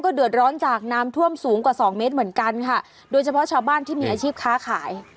เดือดร้อนจากน้ำท่วมสูงกว่าสองเมตรเหมือนกันค่ะโดยเฉพาะชาวบ้านที่มีอาชีพค้าขาย